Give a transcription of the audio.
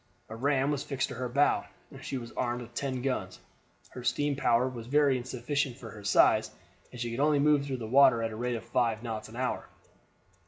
A ram was fixed to her bow, and she was armed with ten guns. Her steam power was very insufficient for her size, and she could only move through the water at the rate of five knots an hour.